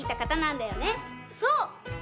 そう！